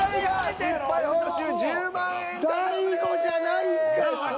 大悟じゃないんか。